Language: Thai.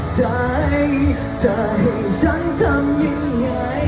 เธอจะเห็นฉันทำอย่างไร